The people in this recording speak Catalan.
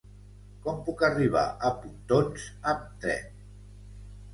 Com puc arribar a Pontons amb tren?